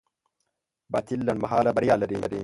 باطل لنډمهاله بریا لري.